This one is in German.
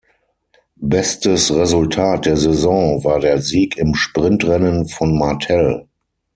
Bestes Resultat der Saison war der Sieg im Sprintrennen von Martell.